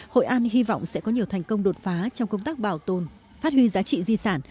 hội an hy vọng sẽ có nhiều thành công đột phá trong công tác bảo tồn phát huy giá trị di sản